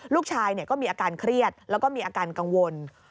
ลูกชายก็มีอาการเครียดแล้วก็มีอาการกังวล